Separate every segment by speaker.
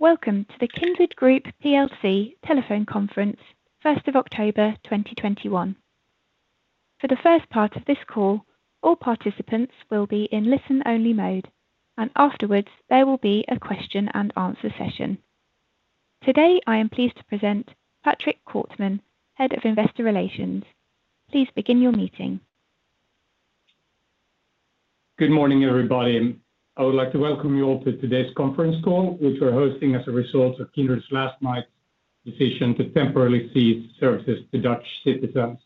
Speaker 1: Welcome to the Kindred Group PLC telephone conference, 1st of October, 2021. For the first part of this call, all participants will be in listen-only mode. Afterwards, there will be a question and answer session. Today, I am pleased to present Patrick Kortman, Head of Investor Relations.
Speaker 2: Good morning, everybody. I would like to welcome you all to today's conference call, which we're hosting as a result of Kindred's last night's decision to temporarily cease services to Dutch citizens.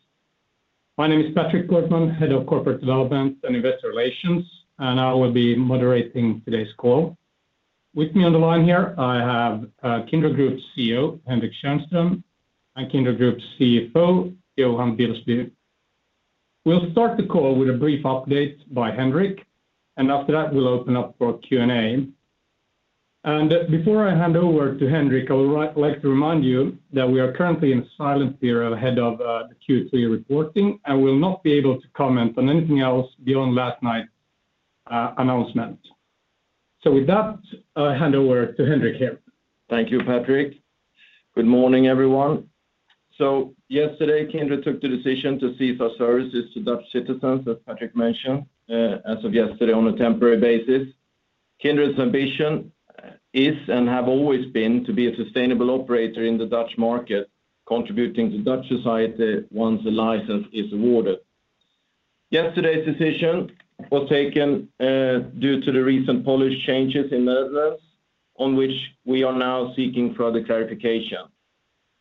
Speaker 2: My name is Patrick Kortman, Head of Corporate Development and Investor Relations. I will be moderating today's call. With me on the line here, I have Kindred Group's CEO, Henrik Tjärnström, and Kindred Group's CFO, Johan Wilsby. We'll start the call with a brief update by Henrik. After that, we'll open up for Q&A. Before I hand over to Henrik, I would like to remind you that we are currently in silent period ahead of the Q3 reporting and will not be able to comment on anything else beyond last night's announcement. With that, I hand over to Henrik here.
Speaker 3: Thank you, Patrick. Good morning, everyone. Yesterday, Kindred took the decision to cease our services to Dutch citizens, as Patrick mentioned, as of yesterday on a temporary basis. Kindred's ambition is and have always been to be a sustainable operator in the Dutch market, contributing to Dutch society once the license is awarded. Yesterday's decision was taken due to the recent policy changes in the Netherlands on which we are now seeking further clarification.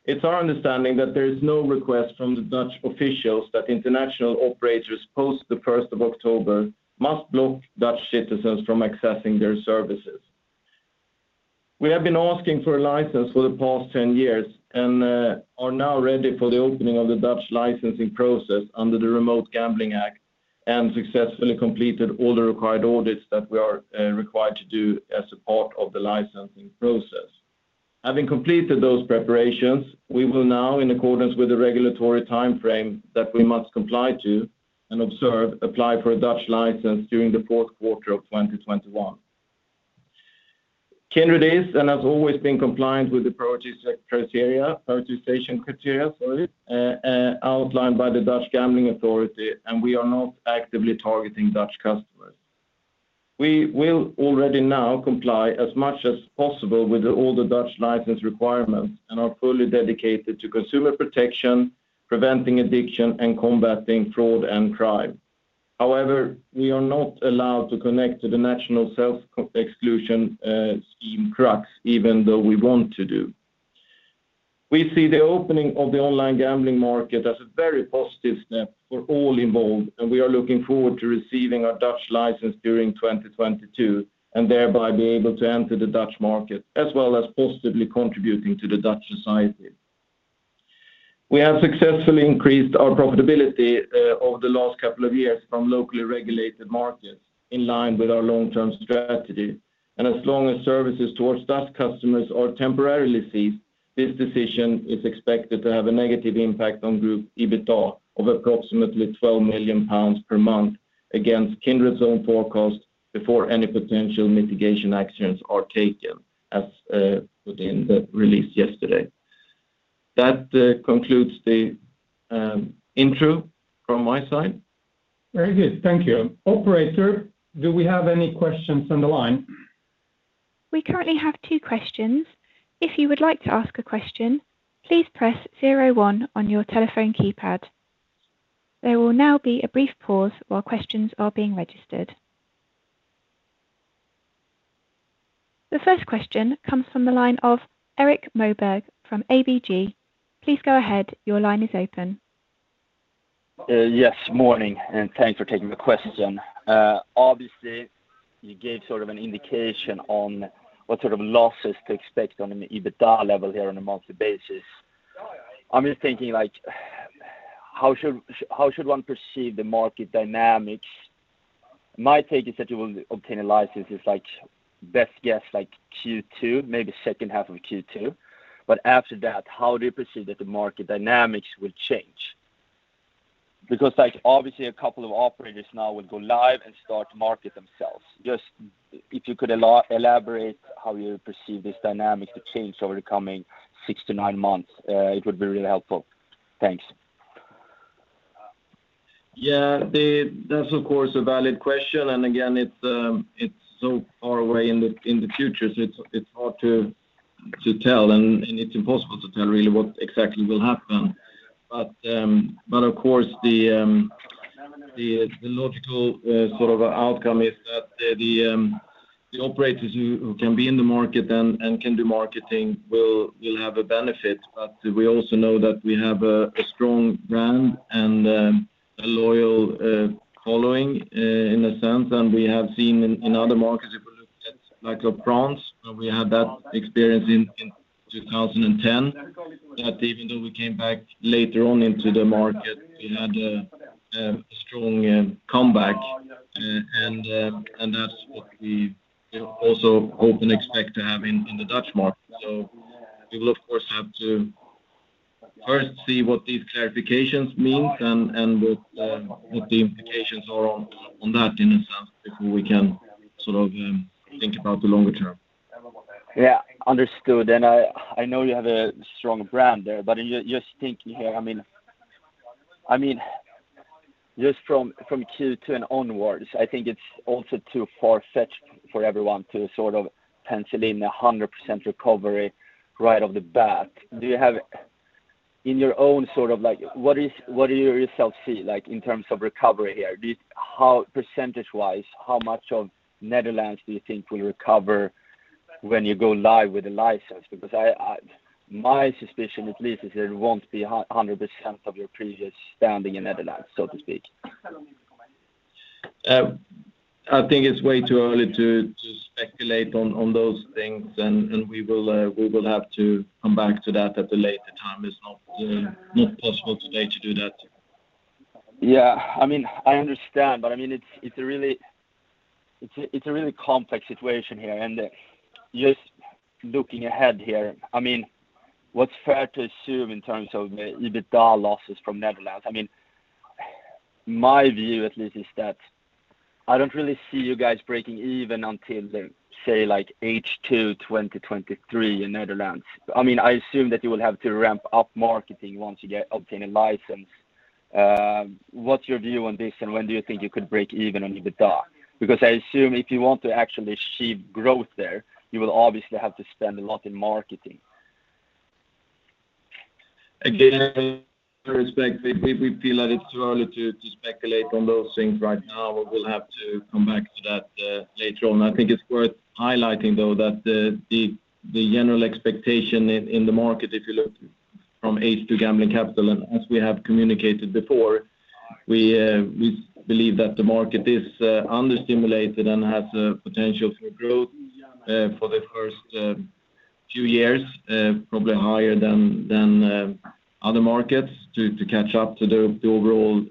Speaker 3: It's our understanding that there is no request from the Dutch officials that international operators post the 1st of October must block Dutch citizens from accessing their services. We have been asking for a license for the past 10 years and are now ready for the opening of the Dutch licensing process under the Remote Gambling Act and successfully completed all the required audits that we are required to do as a part of the licensing process. Having completed those preparations, we will now, in accordance with the regulatory timeframe that we must comply to and observe, apply for a Dutch license during the fourth quarter of 2021. Kindred is and has always been compliant with the prioritization criteria outlined by the Dutch Gambling Authority, and we are not actively targeting Dutch customers. We will already now comply as much as possible with all the Dutch license requirements and are fully dedicated to consumer protection, preventing addiction, and combating fraud and crime. However, we are not allowed to connect to the national self-exclusion scheme, CRUKS, even though we want to do. We see the opening of the online gambling market as a very positive step for all involved, we are looking forward to receiving our Dutch license during 2022 and thereby be able to enter the Dutch market, as well as positively contributing to the Dutch society. We have successfully increased our profitability over the last couple of years from locally regulated markets in line with our long-term strategy. As long as services towards Dutch customers are temporarily ceased, this decision is expected to have a negative impact on group EBITDA of approximately 12 million pounds per month against Kindred's own forecast before any potential mitigation actions are taken, as put in the release yesterday. That concludes the intro from my side.
Speaker 2: Very good. Thank you. Operator, do we have any questions on the line?
Speaker 1: We currently have 2 questions. If you would like to ask a question, please press zero one on your telephone keypad. There will now be a brief pause while questions are being registered. The first question comes from the line of Erik Moberg from ABG. Please go ahead. Your line is open.
Speaker 4: Yes, morning. Thanks for taking the question. Obviously, you gave sort of an indication on what sort of losses to expect on an EBITDA level here on a monthly basis. I'm just thinking, how should one perceive the market dynamics? My take is that you will obtain a license, best guess, Q2, maybe second half of Q2. After that, how do you perceive that the market dynamics will change? Obviously a couple of operators now will go live and start to market themselves. Just if you could elaborate how you perceive this dynamic to change over the coming six to nine months, it would be really helpful. Thanks.
Speaker 3: Yeah. That's, of course, a valid question, and again, it's so far away in the future, so it's hard to tell, and it's impossible to tell really what exactly will happen. Of course, the logical sort of outcome is that the operators who can be in the market and can do marketing will have a benefit. We also know that we have a strong brand and a loyal following in a sense, and we have seen in other markets if we look at, like France, where we had that experience in 2010, that even though we came back later on into the market, we had a strong comeback. That's what we also hope and expect to have in the Dutch market. We will, of course, have to first see what these clarifications mean and what the implications are on that, in a sense, before we can think about the longer term.
Speaker 4: Yeah. Understood. I know you have a strong brand there, but just thinking here, just from Q2 and onwards, I think it's also too far-fetched for everyone to pencil in 100% recovery right off the bat. What do you yourself see in terms of recovery here? Percentage-wise, how much of Netherlands do you think will recover when you go live with the license? Because my suspicion at least is there won't be 100% of your previous standing in Netherlands, so to speak.
Speaker 3: I think it's way too early to speculate on those things, and we will have to come back to that at a later time. It's not possible today to do that.
Speaker 4: Yeah. I understand, it's a really complex situation here. Just looking ahead here, what's fair to assume in terms of the EBITDA losses from Netherlands? My view at least is that I don't really see you guys breaking even until, say, H2 2023 in Netherlands. I assume that you will have to ramp up marketing once you obtain a license. What's your view on this, and when do you think you could break even on EBITDA? I assume if you want to actually achieve growth there, you will obviously have to spend a lot in marketing.
Speaker 3: I respect, we feel that it's too early to speculate on those things right now. We'll have to come back to that later on. I think it's worth highlighting, though, that the general expectation in the market if you look from H2 Gambling Capital, and as we have communicated before, we believe that the market is under-stimulated and has potential for growth for the first few years, probably higher than other markets to catch up to the overall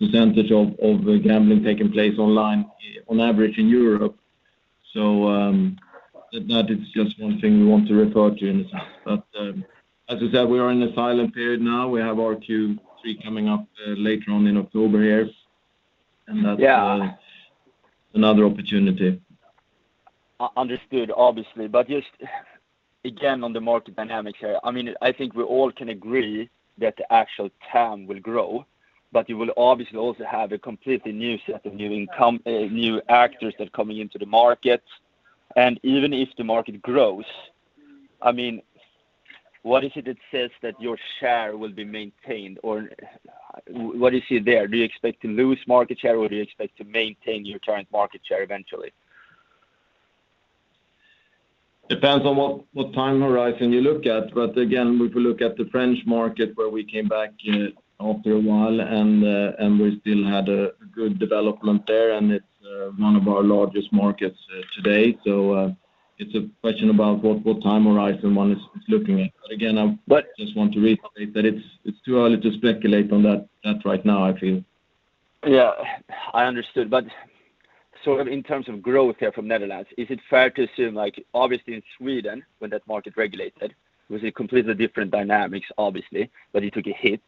Speaker 3: percentage of gambling taking place online on average in Europe. That is just one thing we want to refer to in a sense. As I said, we are in a silent period now. We have our Q3 coming up later on in October here.
Speaker 4: Yeah.
Speaker 3: another opportunity.
Speaker 4: Understood, obviously. Just again, on the market dynamics here, I think we all can agree that the actual TAM will grow, but you will obviously also have a completely new set of new actors that are coming into the market. Even if the market grows, what is it that says that your share will be maintained? Or what is it there? Do you expect to lose market share, or do you expect to maintain your current market share eventually?
Speaker 3: Depends on what time horizon you look at. Again, if you look at the French market where we came back after a while and we still had a good development there, and it's one of our largest markets today. It's a question about what time horizon one is looking at.
Speaker 4: But-
Speaker 3: I just want to reiterate that it's too early to speculate on that right now, I feel.
Speaker 4: I understood, but in terms of growth here from Netherlands, is it fair to assume, obviously in Sweden when that market regulated, it was a completely different dynamic, obviously, but it took a hit.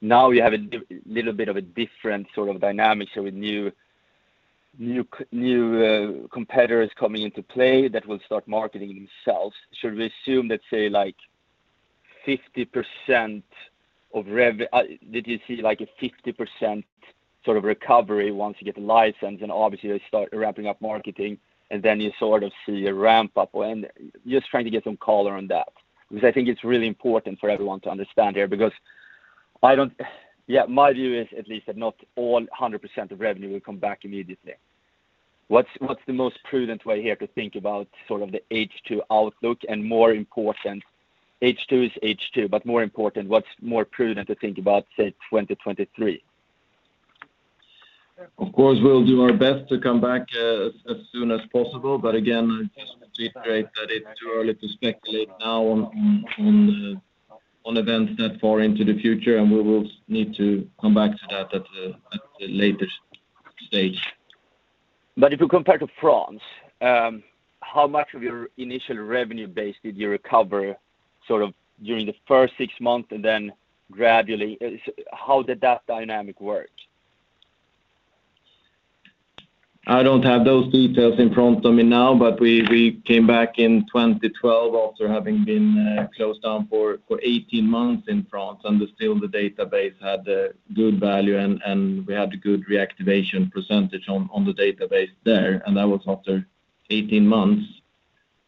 Speaker 4: You have a little bit of a different sort of dynamic. With new competitors coming into play that will start marketing themselves, should we assume, let's say, did you see a 50% sort of recovery once you get the license and obviously they start ramping up marketing then you sort of see a ramp-up? Just trying to get some color on that, because I think it's really important for everyone to understand here, because my view is at least that not all 100% of revenue will come back immediately. What's the most prudent way here to think about the H2 outlook and more important, H2 is H2, but more important, what's more prudent to think about, say, 2023?
Speaker 3: We'll do our best to come back as soon as possible. Again, I just reiterate that it's too early to speculate now on events that far into the future, and we will need to come back to that at a later stage.
Speaker 4: If you compare to France, how much of your initial revenue base did you recover during the first six months and then gradually, how did that dynamic work?
Speaker 3: I don't have those details in front of me now. We came back in 2012 after having been closed down for 18 months in France. Still the database had good value. We had good reactivation percentage on the database there. That was after 18 months.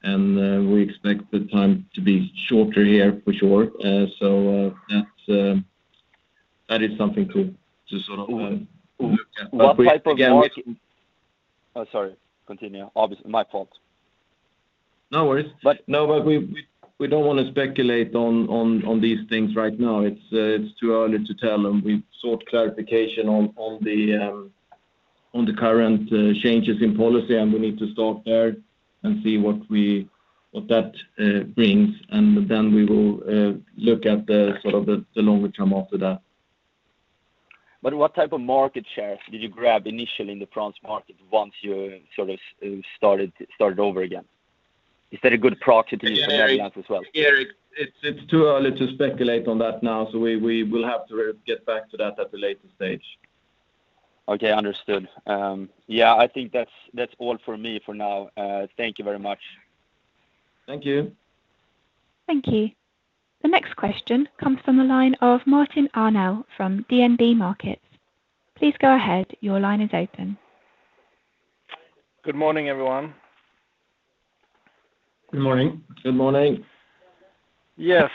Speaker 3: We expect the time to be shorter here for sure. That is something to sort of.
Speaker 4: What type of-
Speaker 3: Again, we-
Speaker 4: Oh, sorry. Continue. My fault.
Speaker 3: No worries.
Speaker 4: But-
Speaker 3: No, we don't want to speculate on these things right now. It's too early to tell. We've sought clarification on the current changes in policy. We need to start there and see what that brings. Then we will look at the longer term after that.
Speaker 4: What type of market shares did you grab initially in the France market once you started over again? Is that a good proxy to use in the Netherlands as well?
Speaker 3: Erik, it's too early to speculate on that now. We will have to get back to that at a later stage.
Speaker 4: Okay, understood. I think that's all from me for now. Thank you very much.
Speaker 3: Thank you.
Speaker 1: Thank you. The next question comes from the line of Martin Arnell from DNB Markets. Please go ahead. Your line is open.
Speaker 5: Good morning, everyone.
Speaker 3: Good morning.
Speaker 6: Good morning.
Speaker 5: Yeah.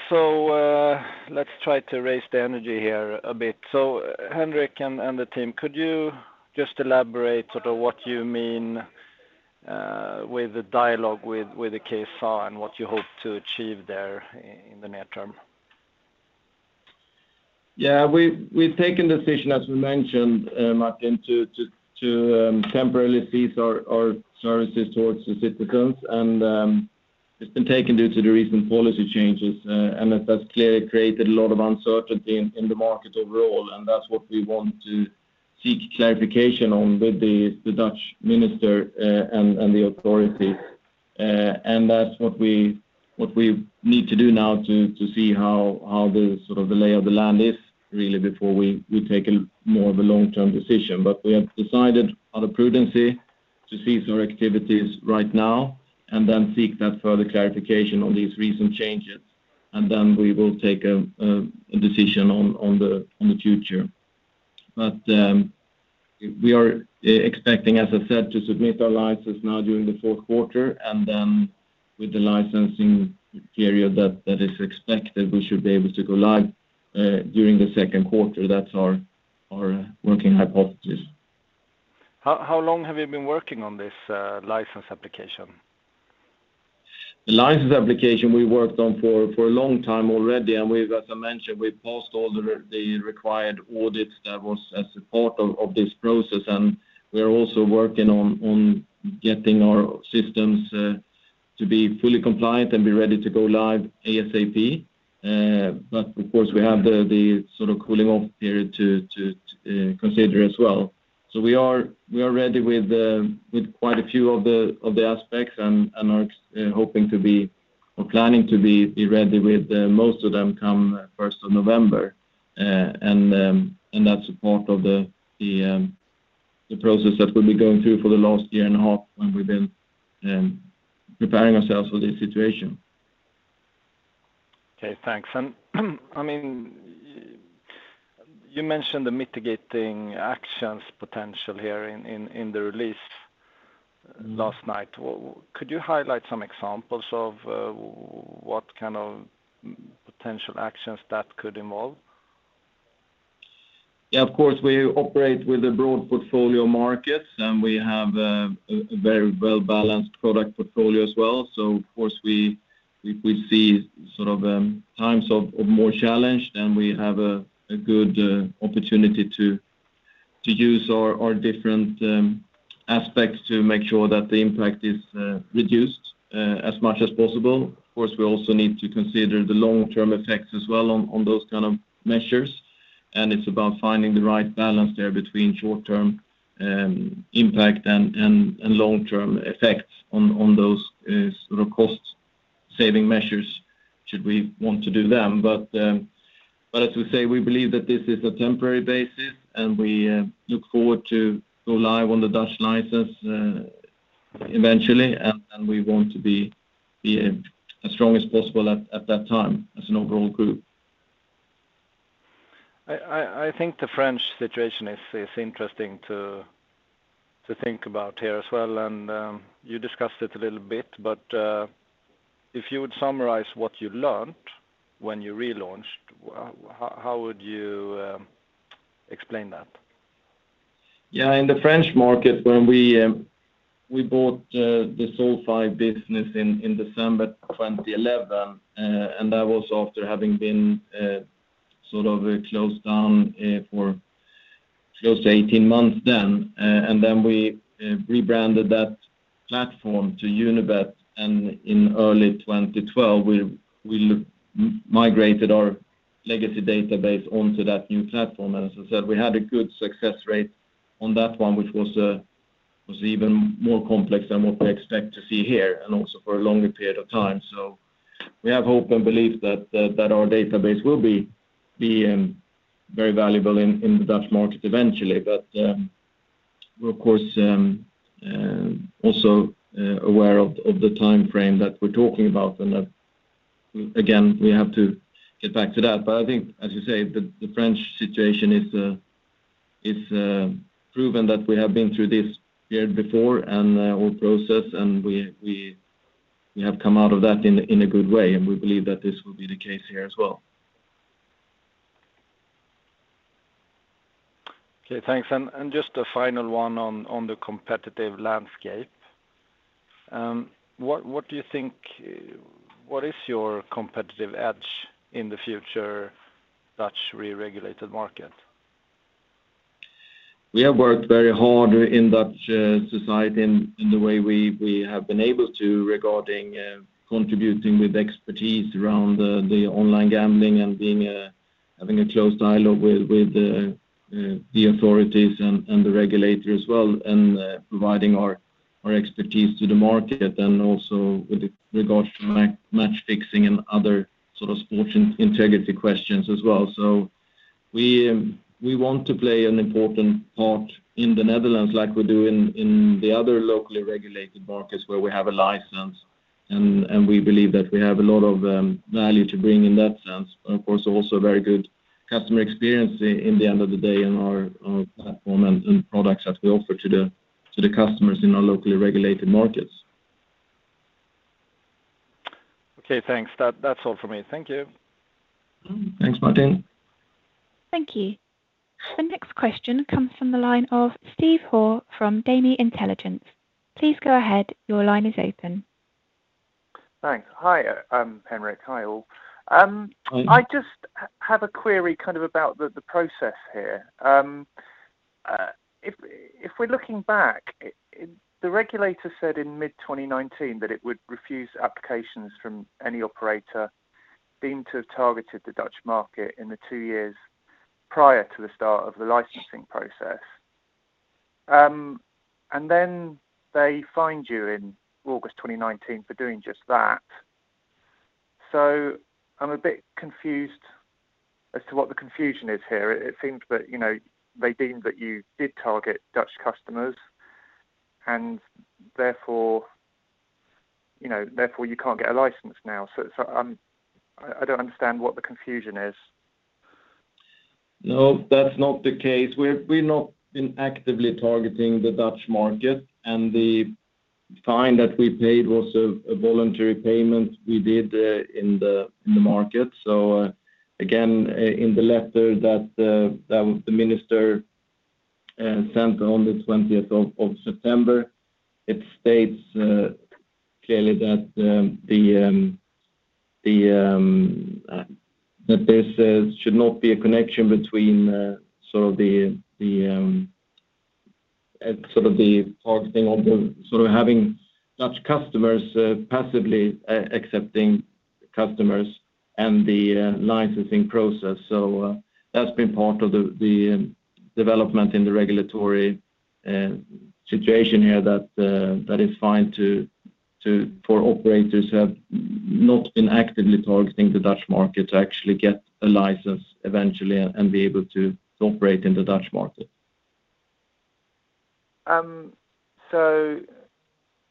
Speaker 5: Let's try to raise the energy here a bit. Henrik and the team, could you just elaborate sort of what you mean, with the dialogue with the Kansspelautoriteit and what you hope to achieve there in the near term?
Speaker 3: Yeah, we've taken the decision, as we mentioned, Martin, to temporarily cease our services towards the citizens. It's been taken due to the recent policy changes, and that's clearly created a lot of uncertainty in the market overall, and that's what we want to seek clarification on with the Dutch minister and the authority. That's what we need to do now to see how the lay of the land is really before we take a more of a long-term decision. We have decided out of prudency to cease our activities right now and then seek that further clarification on these recent changes, and then we will take a decision on the future. We are expecting, as I said, to submit our licenses now during the fourth quarter, and then with the licensing period that is expected, we should be able to go live during the second quarter. That's our working hypothesis.
Speaker 5: How long have you been working on this license application?
Speaker 3: The license application we worked on for a long time already. As I mentioned, we passed all the required audits that was as a part of this process. We are also working on getting our systems to be fully compliant and be ready to go live ASAP. Of course, we have the cooling off period to consider as well. We are ready with quite a few of the aspects and are hoping to be, or planning to be ready with most of them come 1st of November. That's a part of the process that we've been going through for the last year and a half when we've been preparing ourselves for this situation.
Speaker 5: Okay, thanks. You mentioned the mitigating actions potential here in the release last night. Could you highlight some examples of what kind of potential actions that could involve?
Speaker 3: Of course, we operate with a broad portfolio of markets, and we have a very well-balanced product portfolio as well. Of course, we see times of more challenge, then we have a good opportunity to use our different aspects to make sure that the impact is reduced as much as possible. Of course, we also need to consider the long-term effects as well on those kind of measures, and it's about finding the right balance there between short-term impact and long-term effects on those sort of cost-saving measures should we want to do them. As we say, we believe that this is a temporary basis, and we look forward to go live on the Dutch license eventually, and we want to be as strong as possible at that time as an overall group.
Speaker 5: I think the French situation is interesting to think about here as well, and you discussed it a little bit. If you would summarize what you learned when you relaunched, how would you explain that?
Speaker 3: Yeah, in the French market when we bought the Solfive business in December 2011, and that was after having been closed down for close to 18 months then. We rebranded that platform to Unibet, and in early 2012 we migrated our legacy database onto that new platform. As I said, we had a good success rate on that one, which was even more complex than what we expect to see here and also for a longer period of time. We have hope and belief that our database will be very valuable in the Dutch market eventually. We're of course also aware of the timeframe that we're talking about and that, again, we have to get back to that. I think, as you say, the French situation is proven that we have been through this before and the whole process. We have come out of that in a good way. We believe that this will be the case here as well.
Speaker 5: Okay, thanks. Just a final one on the competitive landscape. What is your competitive edge in the future Dutch re-regulated market?
Speaker 3: We have worked very hard in Dutch society in the way we have been able to regarding contributing with expertise around the online gambling and having a close dialogue with the authorities and the regulator as well, and providing our expertise to the market, and also with regards to match fixing and other sort of sports integrity questions as well. We want to play an important part in the Netherlands like we do in the other locally regulated markets where we have a license, and we believe that we have a lot of value to bring in that sense. Of course, also very good customer experience in the end of the day in our platform and products that we offer to the customers in our locally regulated markets.
Speaker 5: Okay, thanks. That's all from me. Thank you.
Speaker 3: Thanks, Martin.
Speaker 1: Thank you. The next question comes from the line of Steve Hoare from Gaming Intelligence. Please go ahead. Your line is open.
Speaker 7: Thanks. Hi, Henrik. Hi, all.
Speaker 3: Hi.
Speaker 7: I just have a query kind of about the process here. If we're looking back, the regulator said in mid-2019 that it would refuse applications from any operator deemed to have targeted the Dutch market in the two years prior to the start of the licensing process. They fined you in August 2019 for doing just that. I'm a bit confused as to what the confusion is here. It seems that they deemed that you did target Dutch customers and therefore you can't get a license now. I don't understand what the confusion is.
Speaker 3: No, that's not the case. We've not been actively targeting the Dutch market, and the fine that we paid was a voluntary payment we did in the market. Again, in the letter that the minister sent on the 20th of September, it states clearly that there should not be a connection between sort of having Dutch customers, passively accepting customers and the licensing process. That's been part of the development in the regulatory situation here that is fine for operators who have not been actively targeting the Dutch market to actually get a license eventually and be able to operate in the Dutch market.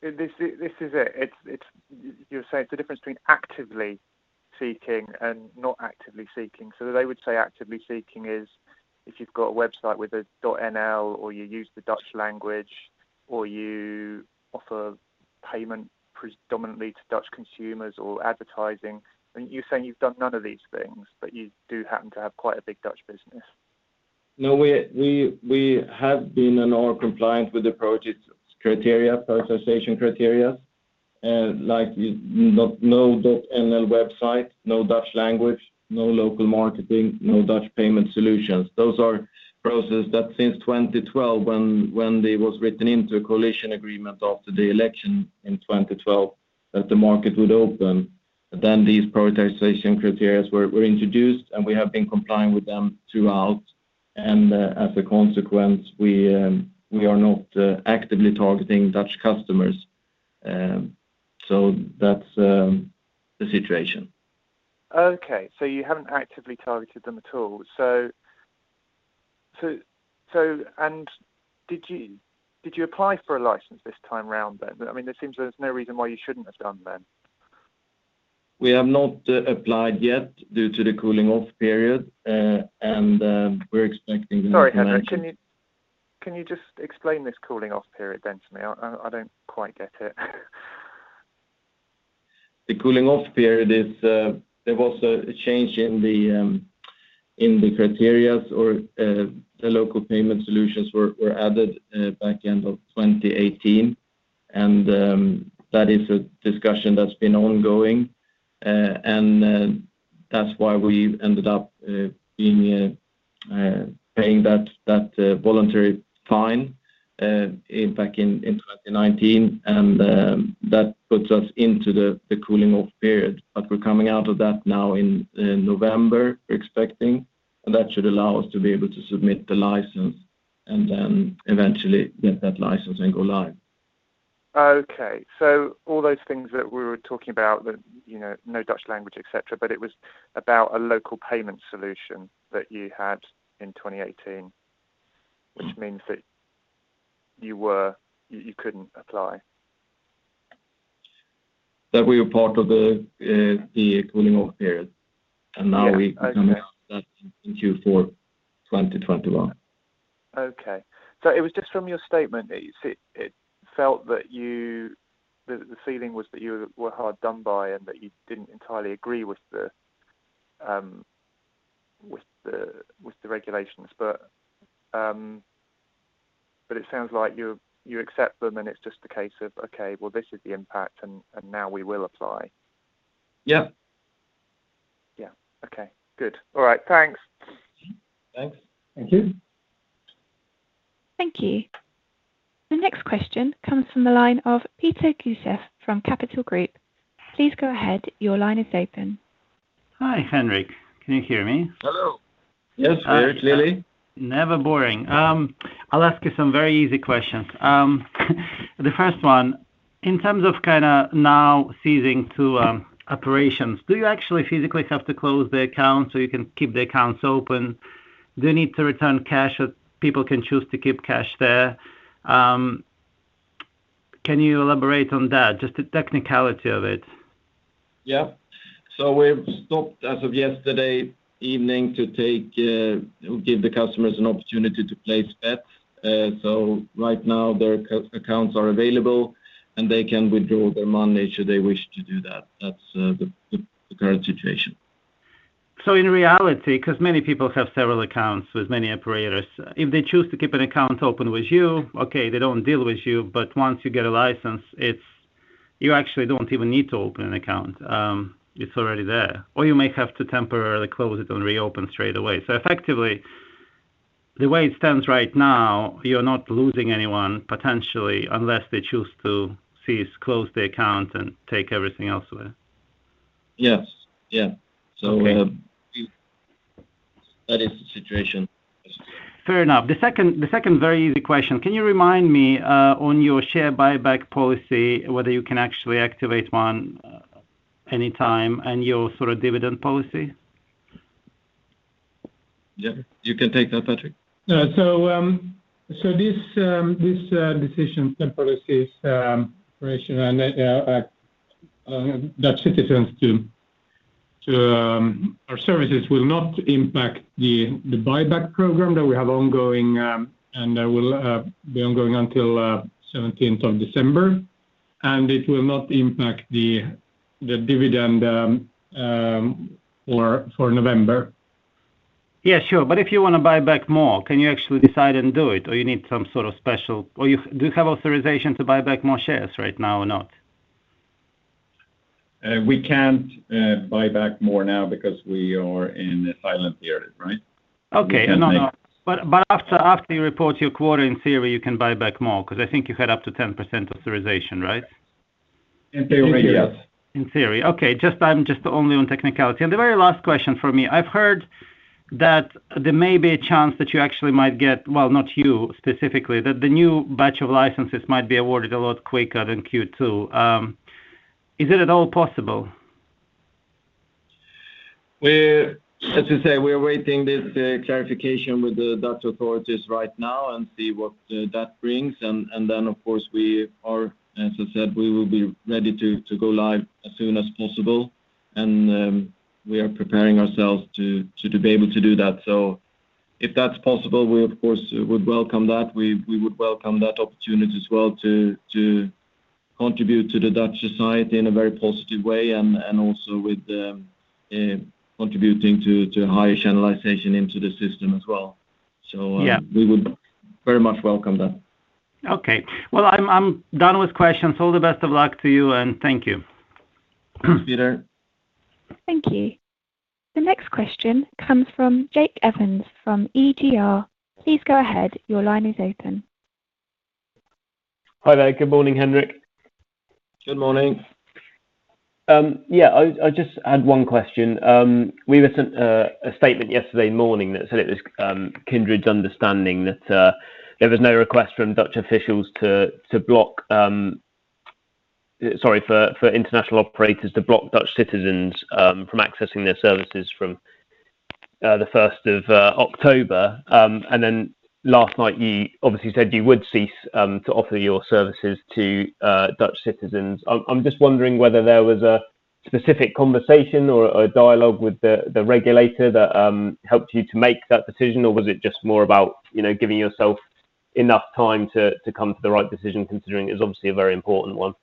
Speaker 7: This is it. You're saying it's the difference between actively seeking and not actively seeking. They would say actively seeking is if you've got a website with a .nl, or you use the Dutch language, or you offer payment predominantly to Dutch consumers or advertising, and you're saying you've done none of these things, but you do happen to have quite a big Dutch business.
Speaker 3: No, we have been in all compliance with the prioritization criteria, like no .nl website, no Dutch language, no local marketing, no Dutch payment solutions. Those are processes that since 2012, when there was written into a coalition agreement after the election in 2012 that the market would open, then these prioritization criteria were introduced, and we have been complying with them throughout. As a consequence, we are not actively targeting Dutch customers. That's the situation.
Speaker 7: Okay. You haven't actively targeted them at all. Did you apply for a license this time around then? It seems there's no reason why you shouldn't have done then.
Speaker 3: We have not applied yet due to the cooling off period.
Speaker 7: Sorry, Henrik, can you just explain this cooling off period then for me? I don't quite get it.
Speaker 3: The cooling off period is, there was a change in the criteria or the local payment solutions were added back-end of 2018. That is a discussion that's been ongoing, and that's why we ended up paying that voluntary fine back in 2019. That puts us into the cooling off period, but we're coming out of that now in November, we're expecting, and that should allow us to be able to submit the license and then eventually get that license and go live.
Speaker 7: All those things that we were talking about, no Dutch language, et cetera. It was about a local payment solution that you had in 2018, which means that you couldn't apply.
Speaker 3: That we were part of the cooling off period, and now.
Speaker 7: Yeah. Okay.
Speaker 3: are coming out of that in Q4 2021.
Speaker 7: It was just from your statement, it felt that the feeling was that you were hard done by and that you didn't entirely agree with the regulations. It sounds like you accept them and it's just a case of, well, this is the impact and now we will apply.
Speaker 3: Yeah.
Speaker 7: Yeah. Okay. Good. All right, thanks.
Speaker 3: Thanks.
Speaker 2: Thank you.
Speaker 1: Thank you. The next question comes from the line of Peter Gusev from Capital Group. Please go ahead. Your line is open.
Speaker 8: Hi, Henrik. Can you hear me?
Speaker 3: Hello. Yes, very clearly.
Speaker 8: Never boring. I'll ask you some very easy questions. The first one, in terms of now ceasing to operations, do you actually physically have to close the account so you can keep the accounts open? Do you need to return cash or people can choose to keep cash there? Can you elaborate on that? Just the technicality of it.
Speaker 3: We've stopped as of yesterday evening to give the customers an opportunity to place bets. Right now their accounts are available, and they can withdraw their money should they wish to do that. That's the current situation.
Speaker 8: In reality, because many people have several accounts with many operators, if they choose to keep an account open with you, okay, they don't deal with you, but once you get a license, you actually don't even need to open an account. It's already there. You may have to temporarily close it and reopen straight away. Effectively, the way it stands right now, you're not losing anyone, potentially, unless they choose to cease, close the account, and take everything elsewhere.
Speaker 3: Yes. Yeah.
Speaker 8: Okay.
Speaker 3: That is the situation.
Speaker 8: Fair enough. The second very easy question, can you remind me, on your share buyback policy, whether you can actually activate one anytime and your sort of dividend policy?
Speaker 3: Yeah. You can take that, Patrick.
Speaker 2: This decision and policies, Peter, around Dutch citizens to our services will not impact the buyback program that we have ongoing, and that will be ongoing until 17th of December. It will not impact the dividend for November.
Speaker 8: Yeah, sure. If you want to buy back more, can you actually decide and do it, or do you have authorization to buy back more shares right now or not?
Speaker 3: We can't buy back more now because we are in a silent period, right?
Speaker 8: Okay. No. After you report your quarter, in theory, you can buy back more, because I think you had up to 10% authorization, right?
Speaker 2: In theory, yes.
Speaker 3: In theory, yes.
Speaker 8: In theory. Okay. Just only on technicality. The very last question from me, I've heard that there may be a chance that you actually might get, well, not you specifically, that the new batch of licenses might be awarded a lot quicker than Q2. Is it at all possible?
Speaker 3: As I say, we are awaiting this clarification with the Dutch authorities right now and see what that brings. Of course, as I said, we will be ready to go live as soon as possible. We are preparing ourselves to be able to do that. If that's possible, we, of course, would welcome that. We would welcome that opportunity as well to contribute to the Dutch society in a very positive way and also with contributing to higher channelization into the system as well.
Speaker 8: Yeah.
Speaker 3: We would very much welcome that.
Speaker 8: Okay. Well, I'm done with questions. All the best of luck to you, and thank you.
Speaker 3: Thanks, Peter.
Speaker 1: Thank you. The next question comes from Jake Evans from EGR. Please go ahead. Your line is open.
Speaker 9: Hi there. Good morning, Henrik.
Speaker 3: Good morning.
Speaker 9: Yeah, I just had one question. We listened a statement yesterday morning that said it was Kindred's understanding that there was no request for international operators to block Dutch citizens from accessing their services from the 1st of October. Last night, you obviously said you would cease to offer your services to Dutch citizens. I'm just wondering whether there was a specific conversation or a dialogue with the regulator that helped you to make that decision, or was it just more about giving yourself enough time to come to the right decision, considering it's obviously a very important one?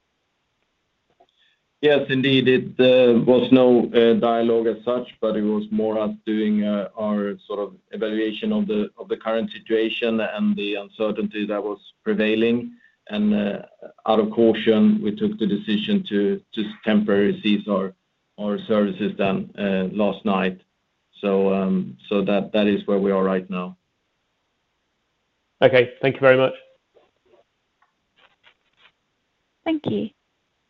Speaker 3: Yes, indeed. There was no dialogue as such, but it was more us doing our sort of evaluation of the current situation and the uncertainty that was prevailing. Out of caution, we took the decision to temporarily cease our services then last night. That is where we are right now.
Speaker 9: Okay. Thank you very much.
Speaker 1: Thank you.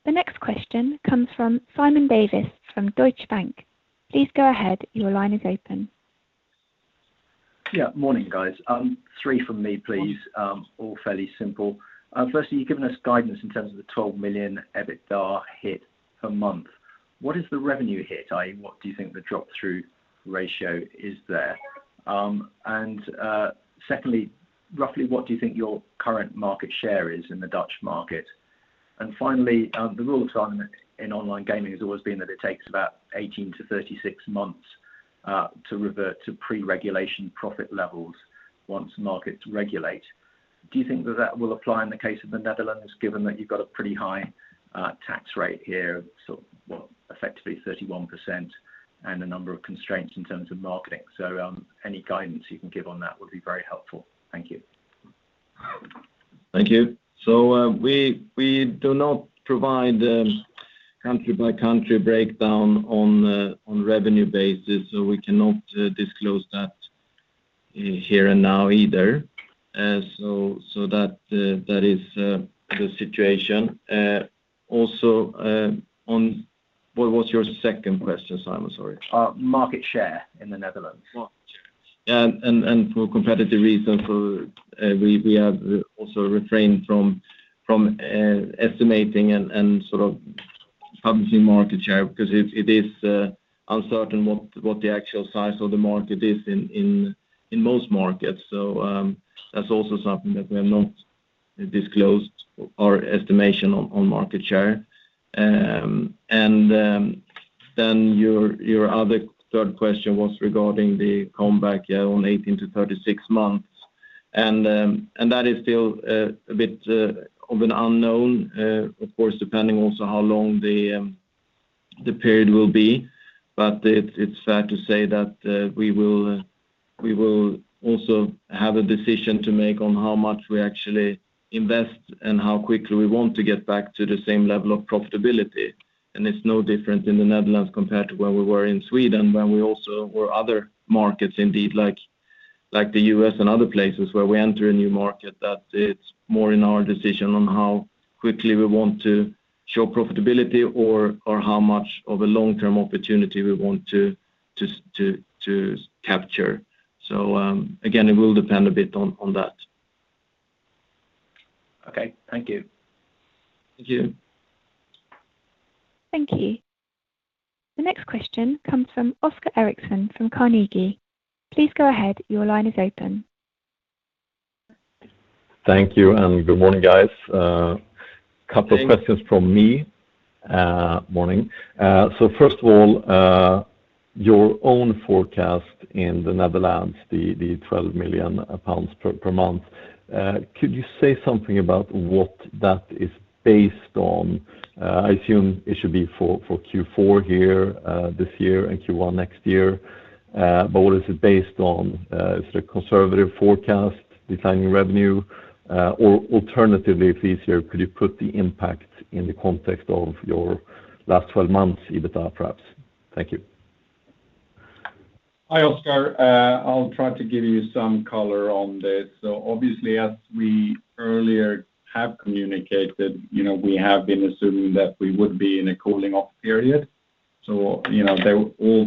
Speaker 1: The next question comes from Simon Davies from Deutsche Bank. Please go ahead. Your line is open.
Speaker 10: Yeah. Morning, guys. Three from me, please. All fairly simple. Firstly, you've given us guidance in terms of the 12 million EBITDA hit per month. What is the revenue hit? I.e. what do you think the drop-through ratio is there? Secondly, roughly, what do you think your current market share is in the Dutch market? Finally, the rule of thumb in online gaming has always been that it takes about 18-36 months to revert to pre-regulation profit levels once markets regulate. Do you think that that will apply in the case of the Netherlands, given that you've got a pretty high tax rate here of, well, effectively 31% and a number of constraints in terms of marketing? Any guidance you can give on that would be very helpful. Thank you.
Speaker 3: Thank you. We do not provide country-by-country breakdown on revenue basis, so we cannot disclose that here and now either. That is the situation. Also, what was your second question, Simon? Sorry.
Speaker 10: Market share in the Netherlands.
Speaker 3: Market share. For competitive reasons, we have also refrained from estimating and publishing market share because it is uncertain what the actual size of the market is in most markets. That's also something that we have not disclosed our estimation on market share. Then your other third question was regarding the comeback year on 18-36 months, and that is still a bit of an unknown, of course, depending also how long the period will be. It's fair to say that we will also have a decision to make on how much we actually invest and how quickly we want to get back to the same level of profitability. It's no different in the Netherlands compared to where we were in Sweden when we also were other markets, indeed, like the U.S. and other places where we enter a new market, that it's more in our decision on how quickly we want to show profitability or how much of a long-term opportunity we want to capture. Again, it will depend a bit on that.
Speaker 10: Okay. Thank you.
Speaker 3: Thank you.
Speaker 1: Thank you. The next question comes from Oscar Erixon from Carnegie. Please go ahead. Your line is open.
Speaker 11: Thank you. Good morning, guys.
Speaker 3: Morning.
Speaker 11: Couple of questions from me. Morning. First of all, your own forecast in the Netherlands, the 12 million pounds per month, could you say something about what that is based on? I assume it should be for Q4 this year and Q1 next year. What is it based on? Is it a conservative forecast, declining revenue? Alternatively, if it's easier, could you put the impact in the context of your last 12 months EBITDA, perhaps? Thank you.
Speaker 3: Hi, Oskar. I'll try to give you some color on this. Obviously, as we earlier have communicated, we have been assuming that we would be in a cooling-off period. All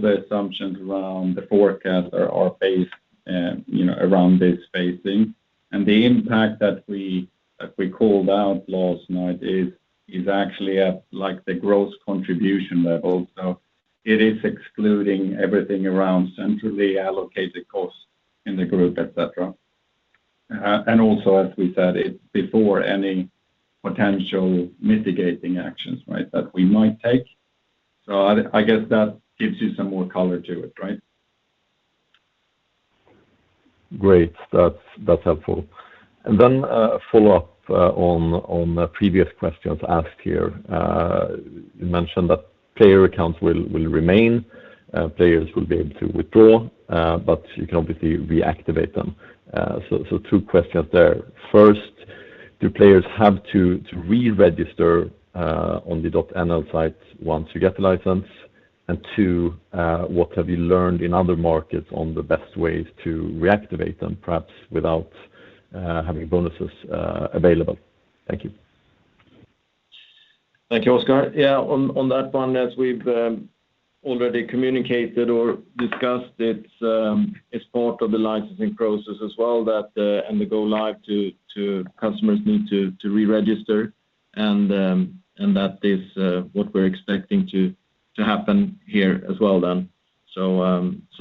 Speaker 3: the assumptions around the forecast are based around this phasing. The impact that we called out last night is actually at the gross contribution level. It is excluding everything around centrally allocated costs in the group, et cetera. Also, as we said, before any potential mitigating actions that we might take. I guess that gives you some more color to it, right?
Speaker 11: Great. That's helpful. A follow-up on the previous questions asked here. You mentioned that player accounts will remain, players will be able to withdraw, but you can obviously reactivate them. Two questions there. First, do players have to re-register on the .nl site once you get the license? Two, what have you learned in other markets on the best ways to reactivate them, perhaps without having bonuses available? Thank you.
Speaker 3: Thank you, Oscar. Yeah, on that one, as we've already communicated or discussed, it's part of the licensing process as well and the go live to customers need to re-register, and that is what we're expecting to happen here as well then.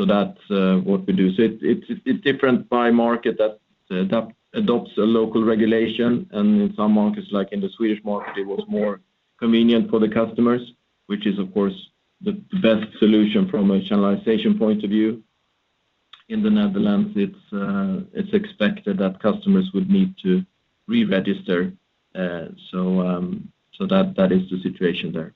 Speaker 3: That's what we do. It's different by market that adopts a local regulation, and in some markets, like in the Swedish market, it was more convenient for the customers, which is, of course, the best solution from a channelization point of view. In the Netherlands, it's expected that customers would need to re-register. That is the situation there.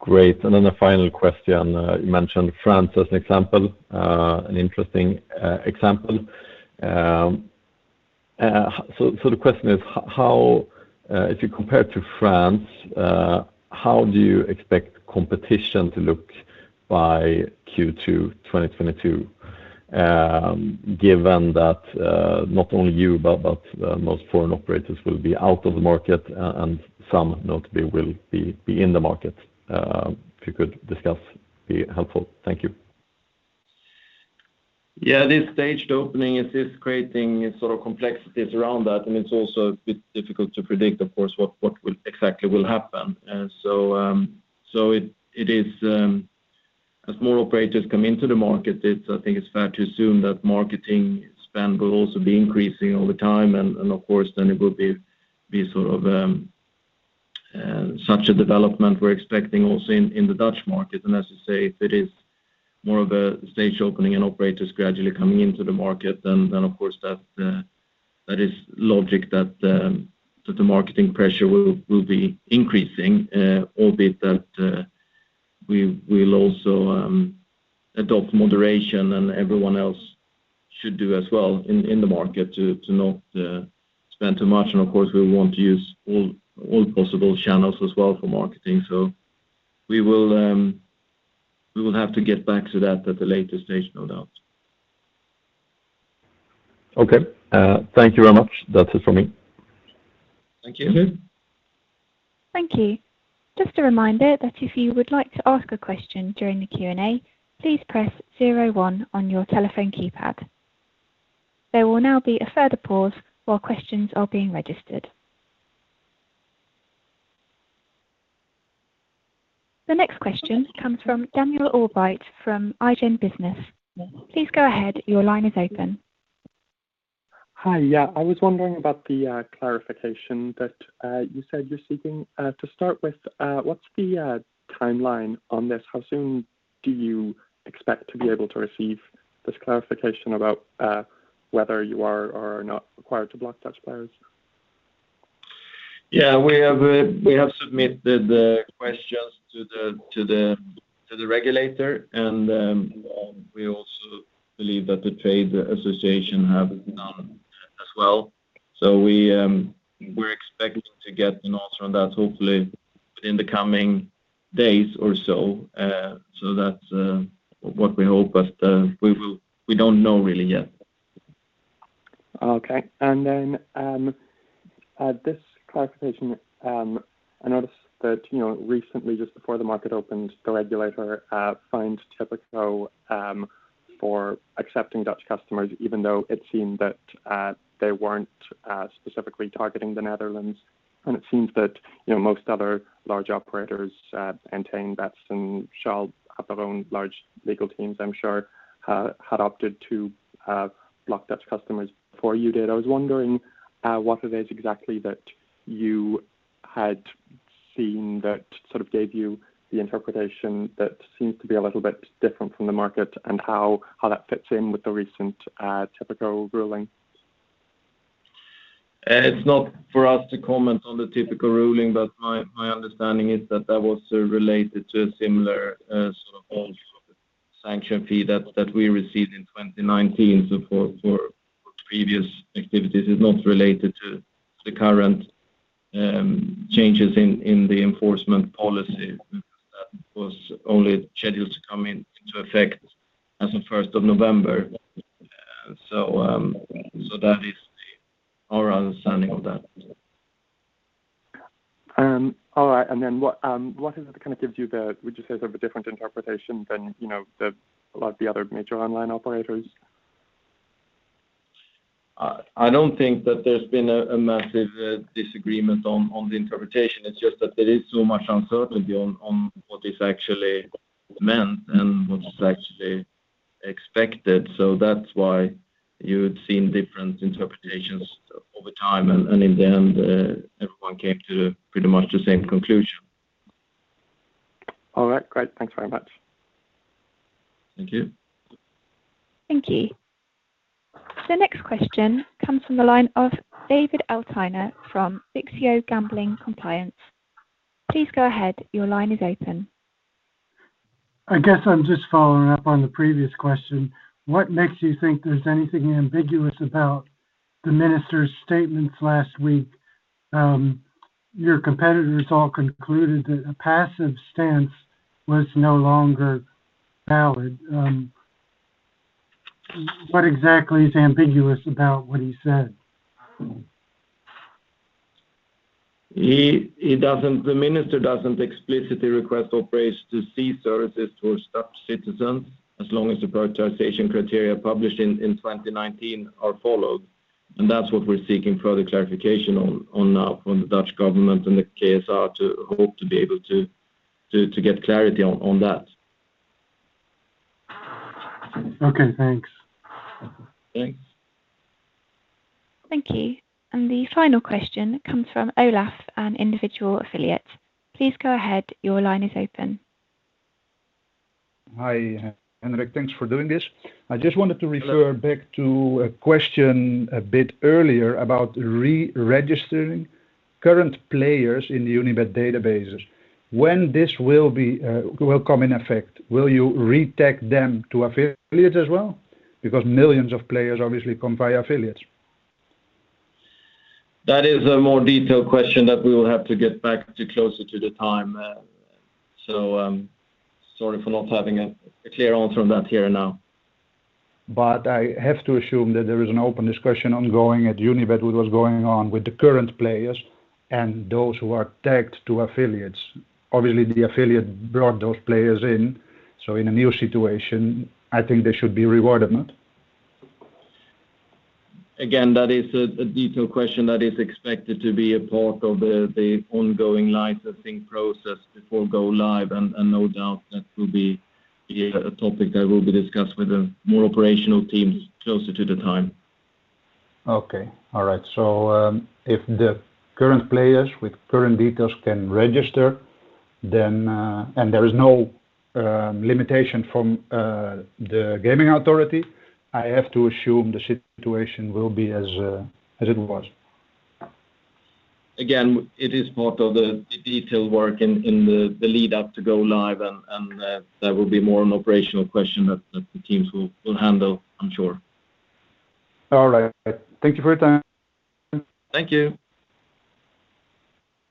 Speaker 11: Great. Then a final question. You mentioned France as an example, an interesting example. The question is, if you compare to France, how do you expect competition to look by Q2 2022, given that not only you, but most foreign operators will be out of the market and some notably will be in the market? If you could discuss, it'd be helpful. Thank you.
Speaker 3: Yeah, this staged opening is creating sort of complexities around that, and it's also a bit difficult to predict, of course, what exactly will happen. As more operators come into the market, I think it's fair to assume that marketing spend will also be increasing over time, and of course, then it will be sort of such a development we're expecting also in the Dutch market. As I say, if it is more of a staged opening and operators gradually coming into the market, then of course that is logic that the marketing pressure will be increasing, albeit that we will also adopt moderation, and everyone else should do as well in the market to not spend too much. Of course, we want to use all possible channels as well for marketing. We will have to get back to that at a later stage, no doubt.
Speaker 11: Okay. Thank you very much. That's it from me.
Speaker 3: Thank you.
Speaker 1: Thank you. Just a reminder that if you would like to ask a question during the Q&A, please press zero one on your telephone keypad. There will now be a further pause while questions are being registered. The next question comes from Daniel O'Boyle from iGamingBusiness. Please go ahead. Your line is open.
Speaker 12: Hi. I was wondering about the clarification that you said you're seeking. What's the timeline on this? How soon do you expect to be able to receive this clarification about whether you are or are not required to block Dutch players?
Speaker 3: Yeah. We have submitted the questions to the regulator, and we also believe that the trade association have done as well. We're expecting to get an answer on that, hopefully within the coming days or so. That's what we hope, but we don't know really yet.
Speaker 12: Okay. Then this clarification, I noticed that recently, just before the market opened, the regulator fined Tipico for accepting Dutch customers, even though it seemed that they weren't specifically targeting the Netherlands. It seems that most other large operators, Entain, Betsson, 888, have their own large legal teams, I'm sure, had opted to block Dutch customers before you did. I was wondering what it is exactly that you had seen that sort of gave you the interpretation that seems to be a little bit different from the market, and how that fits in with the recent Tipico ruling.
Speaker 3: It's not for us to comment on the Tipico ruling. My understanding is that that was related to a similar sort of old sanction fee that we received in 2019. For previous activities, it's not related to the current changes in the enforcement policy. That was only scheduled to come into effect as of 1st of November. That is our understanding of that.
Speaker 12: All right. What is it that kind of gives you the, we just say, sort of a different interpretation than a lot of the other major online operators?
Speaker 3: I don't think that there's been a massive disagreement on the interpretation. It's just that there is so much uncertainty on what is actually meant and what is actually expected. That's why you would seen different interpretations over time. In the end, everyone came to pretty much the same conclusion.
Speaker 12: All right, great. Thanks very much.
Speaker 3: Thank you.
Speaker 1: Thank you. The next question comes from the line of David Altaner from VIXIO GamblingCompliance. Please go ahead. Your line is open.
Speaker 13: I guess I'm just following up on the previous question. What makes you think there's anything ambiguous about the minister's statements last week? Your competitors all concluded that a passive stance was no longer valid. What exactly is ambiguous about what he said?
Speaker 3: The minister doesn't explicitly request operators to cease services towards Dutch citizens as long as the prioritization criteria published in 2019 are followed, and that's what we're seeking further clarification on now from the Dutch government and the Kansspelautoriteit, to hope to be able to get clarity on that.
Speaker 13: Okay, thanks.
Speaker 3: Thanks.
Speaker 1: Thank you. The final question comes from Olaf, an individual affiliate. Please go ahead. Your line is open.
Speaker 14: Hi, Henrik. Thanks for doing this. I just wanted to refer back to a question a bit earlier about re-registering current players in the Unibet databases. When this will come in effect, will you re-tag them to affiliate as well? Because millions of players obviously come via affiliates.
Speaker 3: That is a more detailed question that we will have to get back to closer to the time. Sorry for not having a clear answer on that here now.
Speaker 14: I have to assume that there is an open discussion ongoing at Unibet with what's going on with the current players and those who are tagged to affiliates. Obviously, the affiliate brought those players in, so in a new situation, I think they should be rewarded.
Speaker 3: That is a detailed question that is expected to be a part of the ongoing licensing process before go live, and no doubt that will be a topic that will be discussed with the more operational teams closer to the time.
Speaker 14: Okay. All right. If the current players with current details can register, and there is no limitation from the gaming authority, I have to assume the situation will be as it was.
Speaker 3: It is part of the detailed work in the lead up to go live, and that will be more an operational question that the teams will handle, I'm sure.
Speaker 14: All right. Thank you for your time.
Speaker 3: Thank you.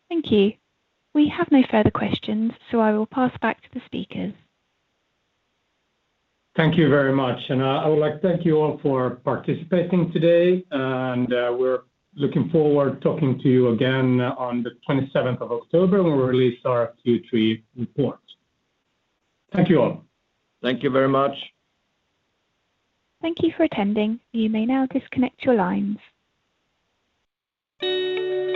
Speaker 1: Thank you. We have no further questions. I will pass back to the speakers.
Speaker 2: Thank you very much. I would like to thank you all for participating today, and we're looking forward talking to you again on the 27th of October when we release our Q3 report. Thank you all.
Speaker 3: Thank you very much.
Speaker 1: Thank you for attending. You may now disconnect your lines.